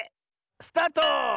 スタート！